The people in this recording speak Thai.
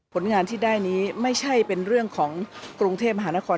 ผลงานที่ได้นี้ไม่ใช่เป็นเรื่องของกรุงเทพมหานคร